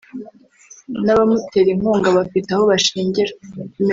n’abamutera inkunga bafite aho bashingira